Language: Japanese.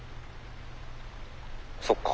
そっか。